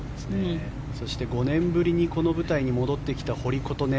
そして５年ぶりにこの舞台に戻ってきた、堀琴音。